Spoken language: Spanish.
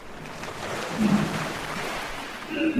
El suelo se eleva y se cubre con placas de madera.